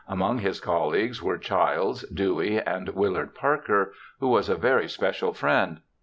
Among his colleagues were Childs, Dewey, and Willard Parker, who was a very special friend.